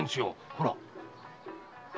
ほら。